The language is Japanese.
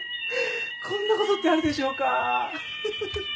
こんなことってあるでしょうか。